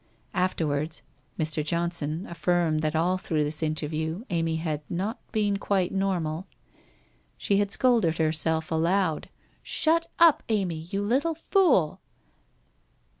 Afterwards, Mr. Johnson affirmed that all through this interview Amy had ' not been quite normal.' She had scolded herself aloud —' Shut up, Amy! You little fool!